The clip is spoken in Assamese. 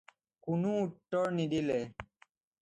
কোনো উত্তৰ নিদিলে